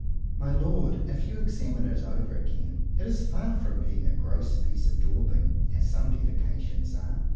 My Lord, if you examine it over again, it is far from being a gross piece of daubing, as some dedications are.